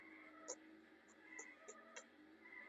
له وېرې تېری د بریا پيل دی.